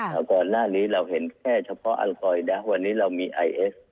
แล้วก่อนหน้านี้เราเห็นแค่เฉพาะอัลฟอยนะวันนี้เรามีไอเอส